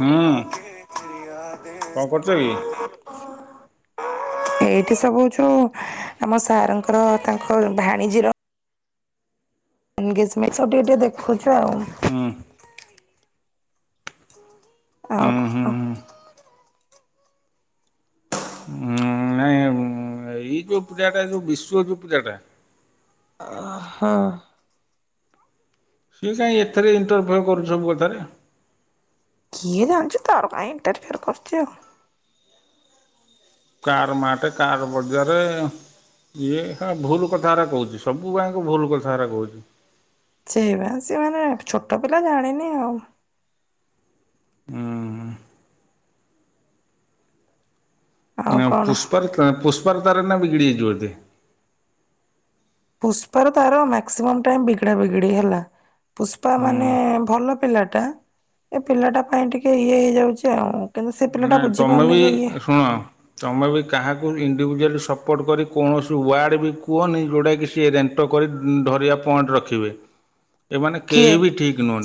ହୁଁ କଣ କରୁଛ କି? ଏଇଠି ସବୁ ଅଛୁ ଆମ ସାରଙ୍କର ତାଙ୍କ ଭାଣିଜିର ଏନଗେଜମେଣ୍ଟ ସବୁ ଟିକେ ଟିକେ ଦେଖୁଛୁ ଆଉ ହୁଁ ଆଉ ଉଁ କଣ ହୁଁ ହୁଁ ନାଇଁ ଏଇ ଯୋଉ ପିଲାଟା ଯୋଉ ବିଶ୍ଵ ଯୋଉ ପିଲାଟା ହଁ। ସିଏ କାହିଁ ଏଥିରେ ଇଣ୍ଟରଫାୟ କରୁଛି ସବୁ କଥାରେ କିଏ ଜାନିଛି ତାର କାଇଁ ଇଣ୍ଟରଫୟ କରୁଛି ଆଉ କାର ମା ଟେ କାର ବଜାରେ ଇଏ ଏକା ଭୁଲ କଥାରା କହୁଛି ସବୁ ଗାଁ କ ଭୁଲ କଥାରା କହୁଛି। ସେ ବା ସେମାନେ ଛୋଟ ପିଲା ଜାଣିନି ଆଉ ହଁ। ଆଉ ନା କଣ? ପୁଷ୍ପାର ତା ପୁଷ୍ପାରତାର ଏନା ବିିଗିଡ଼ି ଯାଇଛି ବୋଧେ? ପୁଷ୍ପା ର ତାର ମାକ୍ସିମମ୍ ଟାଇମ୍ ବିଗିଡା ବିଗିଡି ହେଲା ପୁଷ୍ପା ହୁଁ ମାନେ ଭଲ ପିଲାଟା ଏ ପିଲାଟା ପାଇଁ ଟିକେ ଇଏ ହେଇଯାଉଛି ଆଉ କିନ୍ତୁ ସେ ପିଲାଟା ନା ତମେ ବୁଝିପାରୁନି ବି ଯେ ଇଏ ଶୁଣ ତମେ ବି କାହାକୁ ଇ ଇଣ୍ଡିଭିଜୁଆଲି ସପୋର୍ଟ କରି କୌଣସି ୱାର୍ଡ଼ ବି କୁହନି ଯୋଉଟାକି ସିଏ ରେଣ୍ଟ କରି ଧରିବା ପଏଣ୍ଟ ର ଖିବେ କିଏ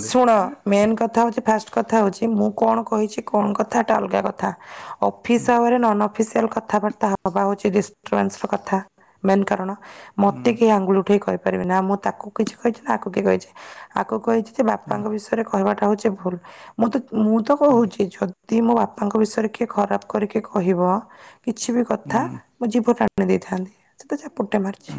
ଶୁଣ ମେନ୍ କଥା ହଉଛି ଫାଷ୍ଟ କଥା ହଉଛି ମୁଁ କଣ କହିଚି କଣ କଥାଟା ଅଲଗା କଥା ଅଫିସ ଆୱେରେ ନନ୍ - ଅଫିସିଆଲ୍ କଥାବାର୍ତ୍ତା ହେବା ହେଉଛି ଡିଷ୍ଟର୍ବାନ୍ସର କଥା ମେନ୍ କାରଣ ହୁଁ ମତେ କେହି ଆଙ୍ଗୁଳି ଉଠେଇ କହିପାରିବେ ନାହିଁ ନା ମୁଁ ତାକୁ କିଛି କହିଛି ନା ଆକୁ କି କହିଛି ଆକୁ କହିଛି ସେ ବାପାଙ୍କ ବିଷୟରେ କହିବାଟା ହଉଛି ଭୁଲ ମୁଁ ତ ମୁଁ ତ କହୁଛି ଛୋ - ଦି ମୋ ବାପାଙ୍କ ବିଷୟରେ କିଏ ଖରାପ କରିକି କହିବ କିଛି ବି ହୁଁ କଥା ମୋ ଜିଭ ନା ଦେଇଥାନ୍ତି [unintelligible] ପୁଟେ ମାରିଛି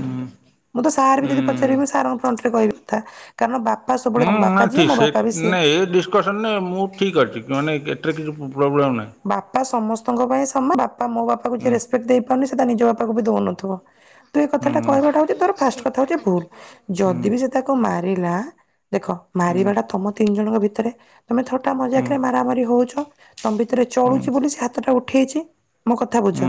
ମୁଁ ତ ସାର୍ ବି ଯଦି ହୁଁ। ପଚାରିବେ ସାର୍ ଙ୍କ ଫ୍ରଣ୍ଟରେ କହିବି କଥା କାରଣ ବାପା ହୁଁ, ସବୁବେଳେ ନା ବାପା ଯିଏ ଠିକ ମୋ ସେ ବାପା ବି ସିଏ। ନା ଏ ଡିସକସନ୍ ରେ ମୁଁ ଠିକ ଅଛି। ମାନେ ଏଟା କି ଫୋନ୍ ବାପା ସମସ୍ତଙ୍କ ପାଇଁ ସମାନ ବାପା ମୋ ବାପାକୁ ଯିଏ ହୁଁ ରେଷ୍ପେକ୍ଟ ଦେଇ ନି ସେ ତା ନିଜ ବାପାକୁ ବି ଦଉନଥିବ? ତୁ ଏ କଥାଟା ହୁଁ କହିବାଟା ହଉଛି ତୋର ଫାଷ୍ଟ କଥା ହଉଛି ଭୁଲ ହୁଁ ଯଦି ବି ସେ ତାକୁ ମାରିଲା ଦେଖ ହୁଁ ହୁଁ ହୁଁ ମାରିବା ଟା ତମ ତିନି ଜଣଙ୍କ ଭି ତମେ ଥଟା ହୁଁ ମଜାକରେ ମାର ମାରି ହଉଛ ତମ ଭିତରେ ହୁଁ ହୁଁ ଚଳୁଛି ବୋଲି ସେ ହାତଟା ଉ ଉଠେଇଛି ମୋ କଥା ବୁଝ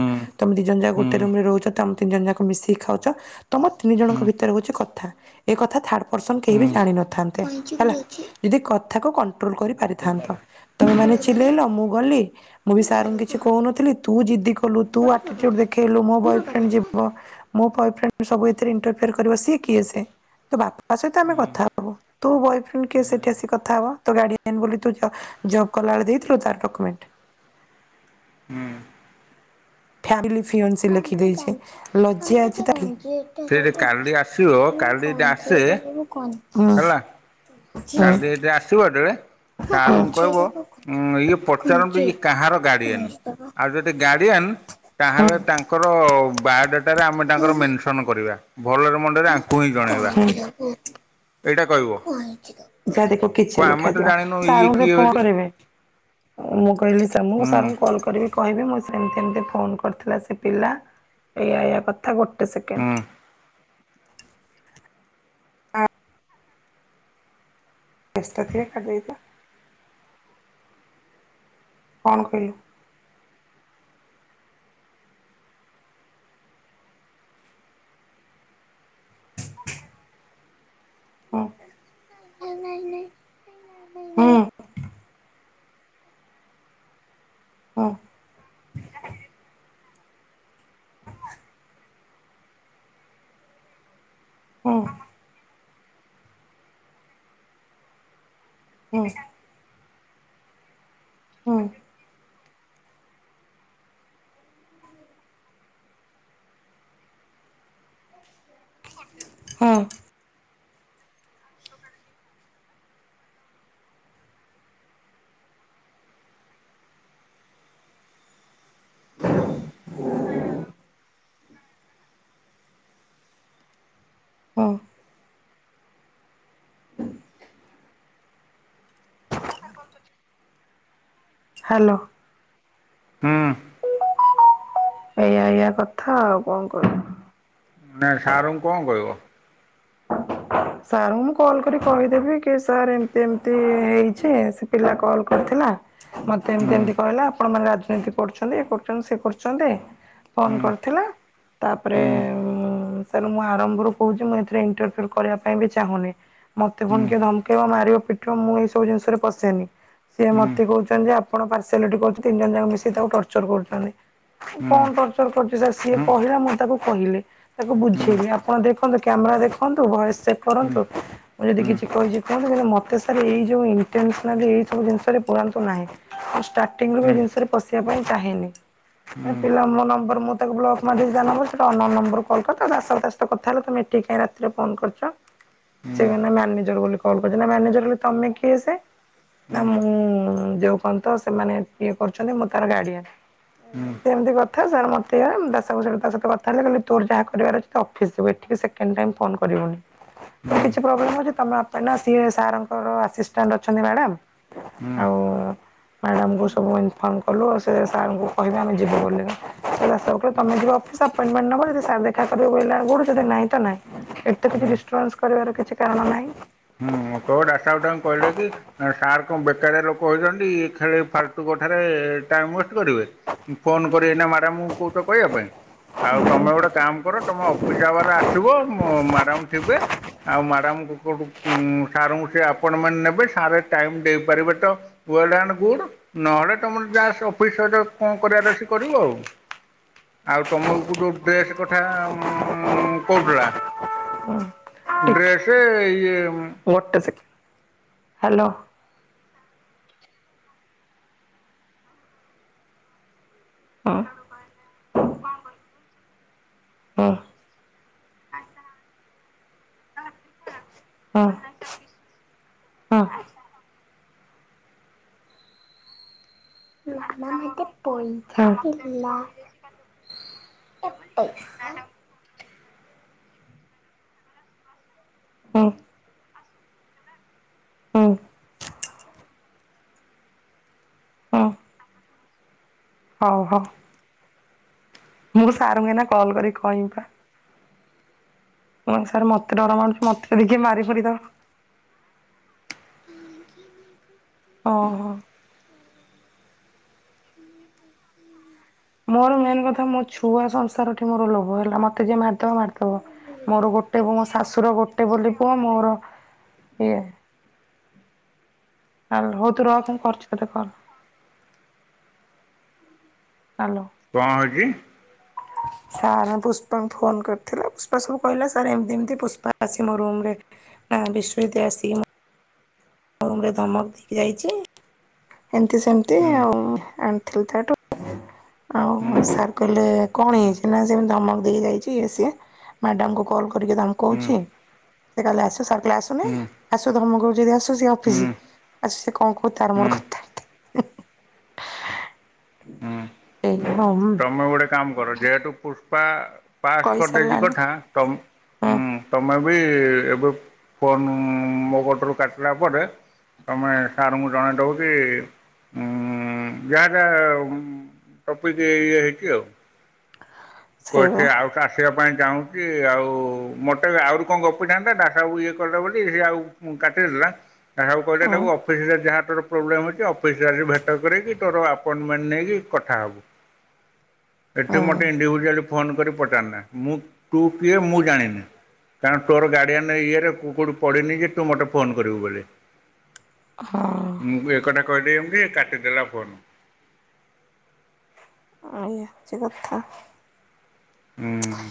ତମେ ଦି ଜଣ ଯାକ ହୁଁ। ଗୋଟେ ରୁମ ରେ ରହୁଛ ତମେ ତିନି ଜଣ ଯାକ ମିଶିକି ଖାଉଛ ତମ ତିନି ହୁଁ ଜଣଙ୍କ ହୁଁ ଭିତରେ ହଉଛି କଥା ଏ କଥା ଥାର୍ଡ ପର୍ସନ କେହି ବି ହୁଁ। ଜାଣିନଥାନ୍ତେ ହେଲା, ଯଦି କଥାକୁ ଭୁଲ୍ କରିପାରିଥାନ୍ତ ତମେମାନେ ଚିଲେଇଲ ମୁଁ ବୋଲି ମୁଁ ବି ସାରଙ୍କୁ କିଛି କହୁନଥିଲି ତୁ ଜିଦି କଲୁ ତୁ ଆଟିଚିଉଡ୍ ଦେଖେଇଲୁ ମୋ ବଏଫ୍ରେଣ୍ଡ୍ ଯିବ ମୋ ବଏଫ୍ରେଣ୍ଡ୍ ସବୁ ଏଥିରେ ଇଣ୍ଟରଫାୟେ କରିବ ସିଏ କିଏ ସେ? ତୋ ବାପ ତା ସହିତ ଆମେ କଥା ହବୁ ତୋ ବୟଫ୍ରେଣ୍ଡ କିଏ ସେଠି ଆସି କଥା ହବ ତୋ ଗାଡି ଏନ୍ ଭୋଲି ତୁ ଜବ୍ କଲା ବେଳେ ଦେଇଥିଲୁ ତା ଡକ୍ୟୁମେଣ୍ଟ୍ ହୁଁ। ଫ୍ୟାଡ଼ଲି ପିୟନ୍ସି ଲେଖିଦେଇଛି ଲଜ୍ଜ୍ୟା ଅଛି ତାଠି ଯେଟା ସେଇଠି ଦବୁ କାଲି ଆସିବ ତୁ କାଲି ଯଦି କଣ ଆସେ ଯେଟା ଯବୁ କଣ ହେଲା କାଲି ଏଯାଏ ଆସିବ ଯେ ସାର୍ ହୁଁ ଙ୍କୁ କହିବ ଉଁ ଇଏ ପଚାରୁନ୍ତୁ ଇଏ କାହାର ଗାର୍ଡିଆନ ଆଉ ଯଦି [unintelligible] ହୁଁ ତାହେଲେ ତାଙ୍କର ବାୟୋଡାଟାରେ ଆମେ ତାଙ୍କର ମେନ୍ସନ୍ କରିବା। ଭଲରେ ମୁନ୍ଦରେ ୟାଙ୍କୁ ହିଁ ଜଣେଇବା। ଏଇଟା କହିବ [unintelligible] ଯାହା ଦେଖ କ କିଛି ଆମେ ଲେଖା ତ ହୋଇ ଥିବ ଜାଣିନୁ ଇଏ ସାର କୁ ଟିକେ କିଏ ଫୋନ୍ ବୋଲି କରିବେ। ମୁଁ କହିଲି ସା ମୁଁ ହୁଁ ସାର୍ ଙ୍କୁ କଲ୍ କରିବି। କହିବି ମୁଁ ସେମିତି ଏମତି ଫୋନ କରିଥିଲା ସେ ପିଲା ଏଇୟା ଏୟା କଥା [unintelligible] ଟ ହୁଁ ସେକେଣ୍ଡ ବ୍ୟସ୍ତ ଥିଲେ [unintelligible] କାଇଥିଲା କଣ କହିଲୁ? ହଁ ହୁଁ। ହଁ। ହୁଁ। ହୁଁ। ହୁଁ। ହଁ। ଆଉ କଣ କି ହଁ। ହାଲୋ। ହୁଁ। ଏଇଆ ଏଇୟଆ କଥା ଆଉ କଣ କରିବ? ନାଇଁ ସାରଙ୍କୁ କଣ କହିବ? [inaudible] ସାର୍ ଙ୍କୁ ମୁଁ କଲ୍ କରି କହିଦେବି କି ସାର୍ ଏମତି ଏମିତି ହେଇଛି ସେ ପିଲା କଲ୍ କରି ଥିଲା ମତେ ଏମତି ହୁଁ ଏମିତି କହିଲା ଆପଣ ମାନେ ରାଜନୀତି କରୁଛନ୍ତି ଇଏ କରୁଛନ୍ତି ସିଏ କରୁଛନ୍ତି। ଫୋନ ହୁଁ କରିଥିଲା ତାପରେ ହୁଁ ସାର୍ ମୁଁ ଆରମ୍ଭରୁ କହୁଛି ମୁଁ ଇଣ୍ଟରଫିଆର କରିବା ପାଇଁ ବି ଚାହୁଁନି। ମତେ ହୁଁ ହୁଁ ପୁଣି କିଏ ଧମକେଇବ ମାରିବ ପିଟିବ ମୁଁ ଏଇ ସବୁ ଜିନିଷରେ ପଶେନି। ସିଏ ହୁଁ ହୁଁ ହୁଁ ମତେ କହୁଛନ୍ତି ଆପଣ ପାରସେଇଲିଟି କହୁଛନ୍ତି ତିନି ଜଣ ମିଶିକି ତାକୁ ଟର୍ଚର କରୁଛନ୍ତି। ହୁଁ ହୁଁ କଣ ଟର୍ଚର କରୁଛି ସିଏ ହୁଁ ହୁଁ ହୁଁ ହୁଁ କହିଲା ମୁଁ ତାକୁ କହିଲେ ତାକୁ ବୁଝେଇବି ଆପଣ ଦେଖନ୍ତୁ କ୍ୟାମେରା ଦେଖନ୍ତୁ ଭଏସ ସେଭ କରନ୍ତୁ। ମୁଁ ଯଦି କିଛି କହିଛି କୁହନ୍ତୁ ମତେ ସାର୍ ଏଇ ଯୋଉ ଇଣ୍ଟେନସନାଲି ଏଇ ସବୁ ଜିନିଷରେ ପୁରାନ୍ତୁ ନାହିଁ। ଷ୍ଟାର୍ଟିଂ ରୁ ବି ଏଇ ଜିନିଷରେ ପଶିବା ପାଇଁ ଚାହେଁନି। ନା ପିଲା ମୋ ନମ୍ବର ମୁଁ ତାକୁ ବ୍ଲକ୍ ନମ୍ବର ସେ ଅନନ୍ ନମ୍ବର କଲ କରି କଥା ହେଲେ ତ କାହିଁ ରାତିରେ ଫୋନ କରୁଛ? ସେ ମ୍ୟାନେଜର ବୋଲି କଲ କରିଛନ୍ତି ନା ମ୍ୟାନେଜର ବୋଲି ତମେ କିଏ ସେ? ନା ମୁଁ ଯୋଉ କହନ୍ତି ସେମାନେ ଇଏ କରୁଛନ୍ତି ମୁଁ ତାର ଗାର୍ଡିଆନ୍। କେମିତି କଥା ସାର୍ ମତେ ତା ସହିତ କଥା ହେଲେ କହିଲ ତୋ ଯାହା କରିବାର ଅ ତ ଅଫିସ ଯୁ ଏଠିକି। ସେକେଣ୍ଡ ଟାଇମ ଫୋନ୍ କରିବୁନି। କିଛି ପ୍ରୋବଲମ୍ ହୋଉଛି ତମ ବାପା ନା ସିଏ ସାର୍ ଙ୍କ ର ଆସିଷ୍ଟାଣ୍ଟ ଅଛନ୍ତି ମ୍ୟାଡାମ। ହୁଁ। ମ୍ୟାଡାମଙ୍କୁ ସବୁ ଇନଫର୍ମ କଲୁ ଆଉ ସାର ଙ୍କୁ କହିବେ ଆମେ ଯିବୁ ବୋଲି କ ତମେ ଯିବ ଅଫିସ ଏପପେନମେଣ୍ଟ ନବ ଯଦି ସାର୍ ଦେଖା କରିବା ବୋଇଲେ [unintelligible] ନା ଏତେ ହୁଁ କିଛି ଡିଷ୍ଟନାମନ୍ସ କରିବାର କିଛି କାରଣ ନାହିଁ। ହୁଁ କୋଉଟା ଆସ ଗୋଟା କହିଲେ କି ସାର୍ କଣ ବେକାରିଆ ଲୋକ ହେଇଛନ୍ତି ଇଏ ଖେ ଫାଲତୁ କଥାରେ ଟାଇମ୍ ୱେଷ୍ଟ କରିବେ ଫୋନ କରିବେନା ମ୍ୟାଡ଼ାମ କହୁଛ କହିବା ପାଇଁ। ଆଉ ତମେ ଗୋଟେ କାମ କର ତମେ ଅଫିସ ହୋର୍ ଆସିବ ମଡ଼ାମ ଥିବେ, ଆଉ ମ୍ୟାଡ଼ାମ [unintelligible] ଉଁ! ସାର୍ ଙ୍କୁ ସେ ଆପଣ୍ଟମେଣ୍ଟ ନେବେ ସାର୍ ଟାଇମ୍ ଦେଇପାରିବେ ତ ୱେଲ ଆଣ୍ଡ ଗୁଡ୍। ଥରେ ତମର ଯା ଅଫିସ କଣ କରିବାର ସେ କରିବ ଆଉ? ଆଉ ତମକୁ ଯୋଉ ଡ୍ରେସ୍ କଥା ଉଁ କୋଉଥିଲା? ହୁଁ। ଟିକେ ଡ୍ରେସ ଇଏ ଗୋଟେ ସେକେଣ୍ଡ ହାଲୋ। ହଁ। ହୁଁ। ହଁ ହଁ। ପଇସା ଥିଲା। ଟପେଇ। ହଁ। ଆଉ ଅଃ। ହଉ ହଉ। ମୁଁ ସାରଙ୍କୁ ଏଇନା କଲ୍ କରିକି କହିମପା। ମୁଁ କହିମି ସାରେ ମତେ ଡରମାଡୁଚି ମତେ ଯଦି କିଏ ମାରିଫାରି ଦବ? ଉଁ। ଓହୋ। ମୋର ମେନେ କଥା ମୋ ଛୁଆ ସଂସାରଠି ମୋର ଲୋଭ ହେଲା ମ ତେ ଯିଏ ମାରିଦବ ମାରିଦବ ମୋର ଗୋଟେ ବୋଉ ଆସ୍ ଶାଶୁର ଗୋଟେ ବୋଲି ପୁଅ ମୋର ଇଏ ହାଲୋ ହୋଉ ତୁ ରଖ ମୁଁ କରୁଚି ତତେ କଲ। ହାଲୋ? କଣ ହୋଉଚି? ସାର୍ ପୁଷ୍ପାଙ୍କୁ ଫୋନ କରିଥିଲା ପୁଷ୍ପା ସବୁ କହିଲା ସାର୍ ଏମତି ଏମତି ପୁଷ୍ପା ଆସି ମୋ ରୁମରେ ଆ-ବିଶ୍ୱଜିତ୍ ଆସିକି ମୋ ରୁମରେ ଧମକ ଦେଇକି ଯାଇଚି। ଏମତି ସେମତି ହୁଁ ଆଉ ଆଣଥିଲି ତାଠୁ ଆଉ ହୁଁ ସାର୍ କହିଲେ କଣ ହୁଁ ହେଇଚି ନା ସେ ଏମତି ଧମକ ଦେଇକି ଯାଇଚି ଇଏ ସିଏ। ମ୍ୟାଡାମଙ୍କୁ କଲ୍ କରି ଧମକୋଉଚି। ହୁଁ ସେ କାଲି ଆସିବ ସାର କହିଲେ ଆସୁନେଇ ଆସୁ ଧମକୋଉଚି ଯଦି ଆସ ସୁ ସେ ଅଫିସି ହୁଁ ଆସୁ ସେ କଣ କୋହୁଚି ତାର ମୋର କଥାବାର୍ତ୍ତା। ହୁଁ ହଁ ତମେ ଗୋଟେ କାମ କର ଯେହେତୁ ପୁଷ୍ପା ପାସ୍ କରିଦେଇଚି କହିସାରିଲାଣି କଥା ହଁ ତମ୍-ହୁଁ ତମେ ବି ସିଏ ଏବେ ଫୋନ୍ ମୋ କତୁରୁ କାଟଲା ପରେ ତମେ ସାରଙ୍କୁ ଜଣେଇଦବ କି ଉଁ ଉଁ ଯାହା ଯାହା ଉଁ-ଟପିକି ଇଏ ହେଇଚି ଆଉ। କୁହ ସେଇବା ସିଏ ଆଉ କା ଆସିବା ପାଇଁ ଯାଉଁ କି ଆଉ ମତେ ଆହୁରି କଣ ଗପିଥାନ୍ତା ଦାସବାବୁ ଇଏ କଲେ ବୋଲି ସିଏ ଆଉ କାଟିଦେଲା। ଦାସବାବୁ କହିଲେ ହଁ ତାକୁ ଅଫିସିରେ ଯାହା ତୋର ପ୍ରୋବ୍ଲେମ୍ ଅଛି ଅଫିସିରେ ଆସିକି ଭେଟ କରକି ତୋର ଆପୋଏଣ୍ଟମେଣ୍ଟ୍ ନେଇକି କଥାହୋବୁ। ଏଠି ହଁ ମତେ ଇଣ୍ଡିବୁ ଫୋନ କରି ପଚାରନା ମୁଁ-ତୁ କିଏ ମୁଁ ଜାଣିନି। କାରଣ ତୋର ଗାଡିଆନ୍ ଇଏରେ କୋ-କୋଉଠି ପଡିନି ଯେ ତୁ ମତେ ଫୋନ କରିବୁ ବୋଲି। ମୁଁ ବି ଏ କଥା କରିଦିଏ ମୁଁ ସିଏ କାଟିଦେଲା ଫୋନ। ଆଇଲେ ସେ କଥା ଫୋନ୍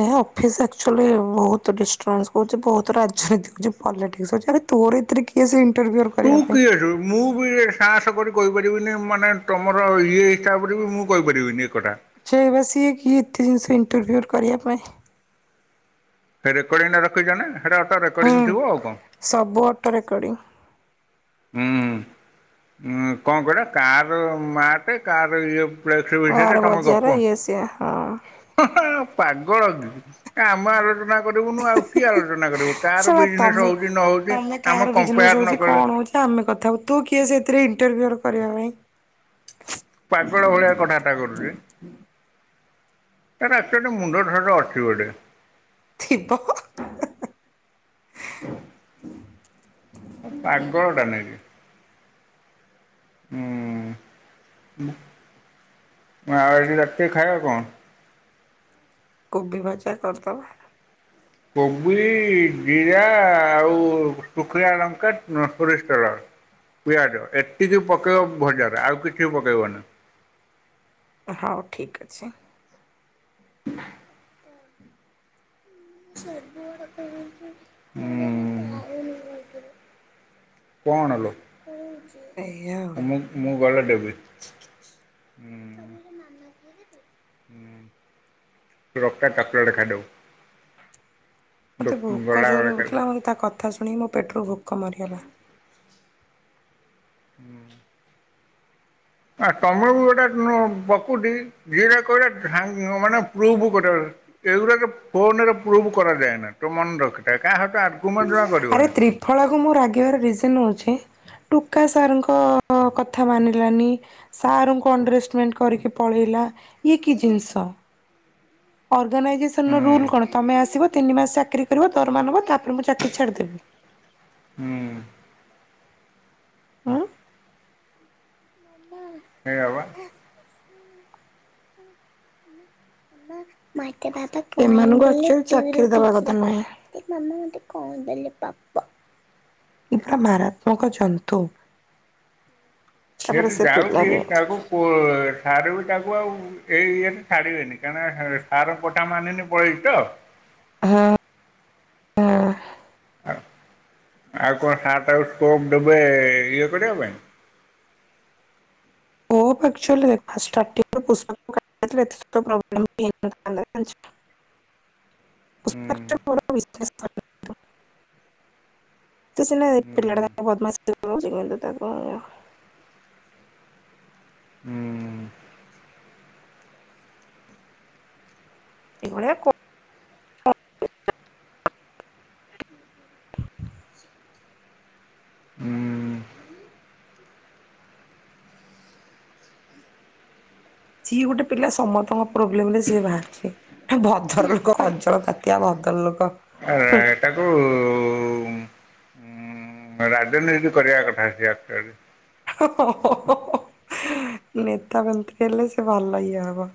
ଏହା ଫିସ୍ ଆକଚୋଲି ବୋହୁତ ଡିଷ୍ଟର୍ବାନ୍ସ ହୋଉଚି ବୋହୁତୁ ରାଜନୀତି ହୋଉଚି ପଲିଟିକସ ହୋଉଚି ଆରେ ତୋର ଏଥିରେ କିଏ ସେ ଇ ତୁ କିଏ ଏଥୁରୁ ମୁଁ ବି ଏ ସାହାସ କରି କହିପାରିବିନି ମାନେ ତମର ଇଏ ହିସାବରେ ବି ମୁଁ କହିପାରିବିନି ଏକଥା। ସେଇ ପା ସିଏ କିଏ ଏତେ ଜିନଷରେ ଇଣ୍ଟରଫେୟର କରିବା ପାଇଁ? ସେ ରେକଡ଼ିଂଟା ରଖିଚ ନା ହେଟା ଆତା ରେକଡିଂ ହୁଁ ଥିବ ଆଉ କଣ। ସବୁ ଅଟୋ ରେକର୍ଡିଂ ହୁଁଁ ଉଁ-କଣ କହିଲା କାର ମାପେ କାର ଇଏ ଫ୍ଲେକ୍ସେ ବିଷୟରେ ଆର ତମେ ବଜାର ଗପ ଇଏ ସିଏ ହଁ ହ ହ ପାଗଳ କି କାଇଁ ଆମ ଆଗରେ ତ କାଇଁ କରିବୁନୁ ଆଉ କିଏ ଆଲୋଚନା କରିବ, କାର ଶଳା ବିଜନେସ୍ ତମେ ହୋଉଚି ନ ହୋଉଚି ଆମେ କମ୍ପେୟାର ନ କଲେ ତ ଆମେ କଥା ହବୁ ତୁ କିଏ ସେଥିରେ ଇଣ୍ଟରଫିଅର କରିବା ପାଇଁ। ପାଗଳ ଭଳିଆ କଥାବାର୍ତ୍ତା କରୁଚି। ତାର ଏକଚୋଲି ମୁଣ୍ଡ ଦୋଷ ଅଛି ବୋଧେ। ଥିବ। ପାଗଳ ଟା ନାଇକି। ହୁଁ। ଆଉ ଆଜି ରାତିରେ ଖାଇବା କଣ? କୋବି ଭଜା କରିଦବା। କୋବି ଜିରା ଆଉ ଶୁଖିଲା ଲଙ୍କା ଆଉ ସୋରିଷ ତେଲ। ପିଆଜ ଏତିକି ପକେଇବ ଭଜାରେ ଆଉ କିଛି ପକେଇବନି। ହଉ ଠିକ୍ ଅଛି। [inaudible] ହୁଁ। କଣ ଲୋ ଏଇଆ ଆଉ ମୁଁ ଗଲେ ଦେବି। ହୁଁ। ରଖିଥା ଚକୋଲେଟ୍ ଖାଇଦବୁ। ମୋତେ ଭୋକ ଗଲାବେଳେ ଜୋରରେ କେବେ। ହେଉଥିଲା ମୋତେ ତା କଥା ଶୁଣିକି ମୋ ପେଟରୁ ଭୋକ ମରିଗଲା। ହୁଁ। ଆ ତମର ବି ଗୋଟେ ନୁ ପ୍ରକୃତି ଯିଏ ଯାହା କହିଲା ଧାଇ ମାନେ ପ୍ରୁଭ କରି ଏ ଗୁଡ଼ାକ ଫୋନ୍ ରେ ପ୍ରୁଫ୍ କରାଯାଏନା ତୁ ମନେ ରଖେ। ଆରେ ତ୍ରିଫଳା କୁ ମୁଁ ରାଗିବାର ରିଜନ୍ ହଉଛି। ଟୁକା ସାର୍ କ କଥା ମାନିଲାନି ସାର୍ ଙ୍କୁ ଅଣ୍ଡରେଷ୍ଟମେଣ୍ଟ କରିକି ପଳେଇଲା। ଇଏ କି ଜିନିଷ। ଅର୍ଗାନାଇଜେସନ୍ ର ହୁଁ। ରୁଲ କଣ ତମେ ଆସିବ ତିନି ମାସ ଚାକିରି କରିବ ଦରମା ନବ ତାପରେ ମୁଁ ଚାକିରୀ ଛାଡିଦେବି। ହୁଁ। ହୁଁ। ସେଇଆ ବା [inaudible] ଏମାନ ଙ୍କୁ ଏକ୍ଟୁଆଲୀ ଚାକିରୀ ଦବା କଥା ନୁହେଁ। [unintelligible] ଏଇଟା ମାରାତ୍ମକ ଜନ୍ତୁ। ତାପରେ ଏଠୁ ସେ ପିଲା ଯାଉଛି ବି ତାକୁ କୋର ମାରିବି ତାକୁ ଆଉ ଏଇ ଇଏରେ ଛାଡିବେନି କାରଣ ସାର୍ ଙ୍କ କଥା ମାନିନି ପଳେଇଛି ତ। ହଁ ହଁ। ଆ ଆଉ କଣ ସାର୍ ତାକୁ ସ୍କୋପ୍ ଦେବେ ଇଏ କରିବା ପାଇଁ। ପୁଅ କୁ ଏକ୍ଟୁଏଲୀ ଫାଷ୍ଟ୍ ଷ୍ଟାର୍ଟିଂ ରୁ ଟିଉସନ୍ କାଟି ଯାଇଥିଲେ ଏତେ ସବୁ ପ୍ରବ୍ଲେମ୍ ହୋଇନଥାନ୍ତା। [inaudible] ହୁଁ [unintelligible] କିନ୍ତୁ ସିନା ହୁଁ ପିଲାଟା ଭାରି ବଦମାସ୍ ହୋଉଛି କିନ୍ତୁ ତାକୁ ମାରିବା। [inaudible] ହୁଁ ଏଭଲିଆ କରୁ [unintelligible] ହୁଁ ସିଏ ଗୋଟେ ପିଲା ସମସ୍ତଙ୍କ ପ୍ରୋବ୍ଲେମ ରେ ସିଏ ବାହାରୁ ଛି ଭଦ୍ର ଲୋକ କଜଳ କାତିଆ ଭଦ୍ର ଭଦ୍ର ଲୋକ ଆ ହୁଁ ଏଟାକୁ ରାଜନୀତି କରିବା କଥା ସେ ଆକଚୁଆଲି। ଓ ହ ହଁ ହଁ ନେତା ମନ୍ତ୍ରୀ ହେଲେ ସେ ଭଲ୍ ଇଏ ହବ-